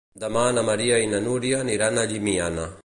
Demà na Maria i na Núria aniran a Llimiana.